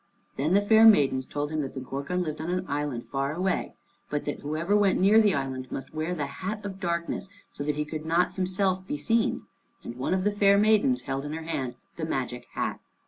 Then the fair maidens told him that the Gorgon lived on an island far away, but that whoever went near the island must wear the hat of darkness, so that he could not himself be seen. And one of the fair maidens held in her hand the magic hat.